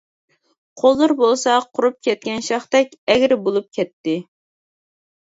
قوللىرى بولسا قورۇپ كەتكەن شاختەك، ئەگرى بولۇپ كەتتى.